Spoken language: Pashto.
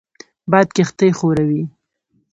باد کښتۍ ښوروي